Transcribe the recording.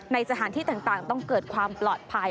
ในสถานที่ต่างต้องเกิดความปลอดภัย